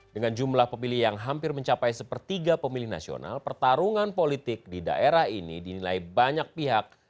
dengan jumlah pemilih yang hampir mencapai sepertiga pemilih nasional pertarungan politik di daerah ini dinilai banyak pihak